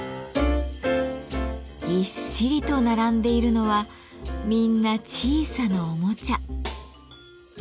ぎっしりと並んでいるのはみんな小さなおもちゃ。